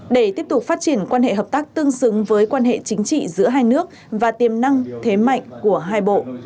để tiếp tục phát triển quan hệ hợp tác tương xứng với quan hệ chính trị giữa hai nước và tiềm năng thế mạnh của hai bộ